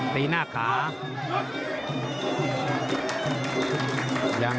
ตีหน้าขา